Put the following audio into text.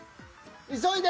急いで！